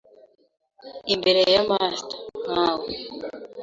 Imbere ya masta, nkawe! ”